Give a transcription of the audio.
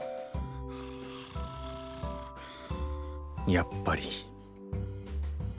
やっぱり。